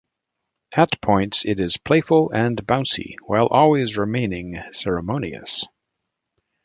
At points it is playful and bouncy, while always remaining ceremonious.